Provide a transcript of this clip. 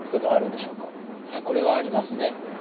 はいこれはありますね。